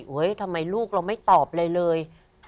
เฮ้ยทำไมลูกเราไม่ตอบเลยเลย